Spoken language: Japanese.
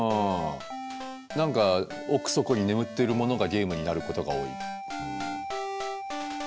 何か奥底に眠ってるものがゲームになることが多い。